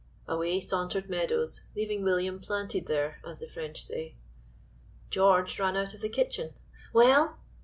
Away sauntered Meadows, leaving William planted there, as the French say. George ran out of the kitchen. "Well?"